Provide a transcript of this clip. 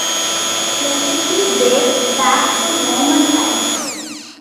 The city dates back to Roman times.